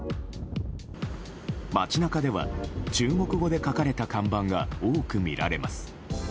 街中では中国語で書かれた看板が多くみられます。